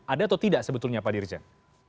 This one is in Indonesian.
ada atau tidak sebetulnya pak dirjen